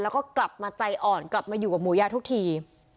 แล้วก็กลับมาใจอ่อนกลับมาอยู่กับหมูยาทุกที